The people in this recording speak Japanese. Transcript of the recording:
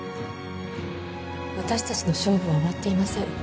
私たちの勝負は終わっていません。